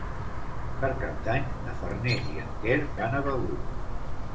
Per Cap d'Any na Farners i en Quer van a Begur.